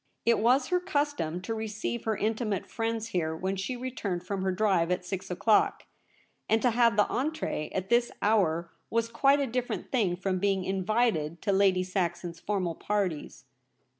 It was her custom to receive her intimate friends here when she returned from her drive at six o clock ; and to have the entree at this hour was quite a different thing from being invited to Lady Saxon's formal parties.